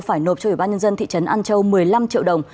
phải nộp cho ubnd thị trấn an châu một mươi năm triệu đồng